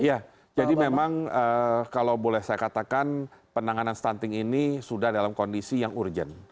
ya jadi memang kalau boleh saya katakan penanganan stunting ini sudah dalam kondisi yang urgent